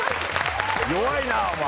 弱いなお前。